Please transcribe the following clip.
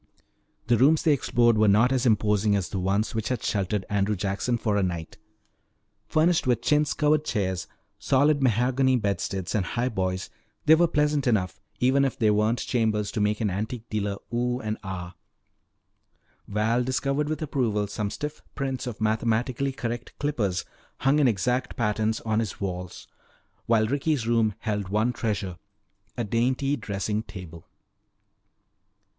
The rooms they explored were not as imposing as the one which had sheltered Andrew Jackson for a night. Furnished with chintz covered chairs, solid mahogany bedsteads and highboys, they were pleasant enough even if they weren't chambers to make an antique dealer "Oh!" and "Ah!" Val discovered with approval some stiff prints of mathematically correct clippers hung in exact patterns on his walls, while Ricky's room held one treasure, a dainty dressing table.